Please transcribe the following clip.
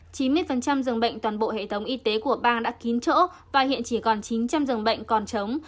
chín mươi dường bệnh toàn bộ hệ thống y tế của bang đã kín chỗ và hiện chỉ còn chín trăm linh giường bệnh còn chống